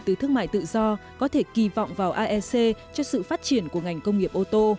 từ thương mại tự do có thể kỳ vọng vào aec cho sự phát triển của ngành công nghiệp ô tô